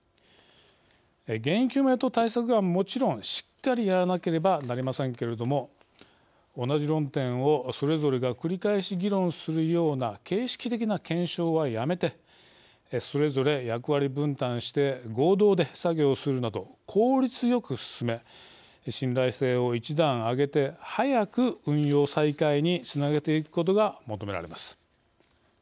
原因究明と対策はもちろんしっかりやらなければなりませんけれども同じ論点をそれぞれが繰り返し議論するような形式的な検証はやめてそれぞれ役割分担して合同で作業するなど効率よく進め信頼性を一段上げて早く運用再開につなげていくことが求められます。